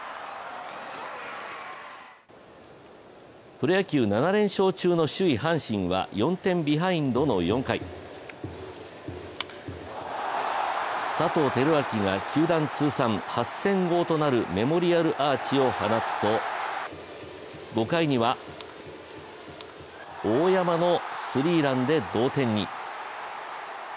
プロ野球、７連勝中の首位・阪神は４点ビハインドの４回、佐藤輝明が球団通算８０００号となるメモリアルアーチを放つと５回には、大山のスリーランで同点に。